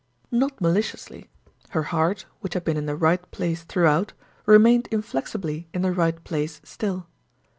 Not maliciously. Her heart, which had been in the right place throughout, remained inflexibly in the right place still.